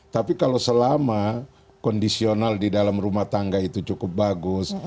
tapi kalau selama kondisional di dalam rumah tangga itu cukup bagus